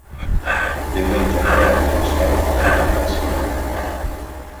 Diumenge en Quel i en Sol iran al cinema.